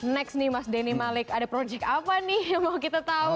next nih mas denny malik ada project apa nih yang mau kita tahu